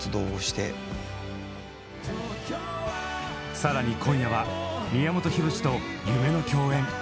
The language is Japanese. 更に今夜は宮本浩次と夢の共演！